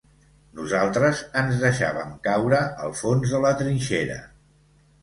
Nosaltres ens deixàvem caure al fons de la trinxera